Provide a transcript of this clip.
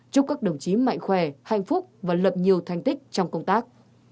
chúc các đồng chí mạnh khỏe hạnh phúc và lập nhiều thành tích trong công tác